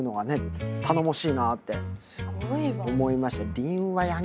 頼もしいなって思いました。